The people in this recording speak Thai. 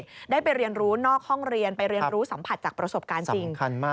ใช่แต่สมัยนี้มันไม่มีแล้ว